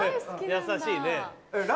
優しいね。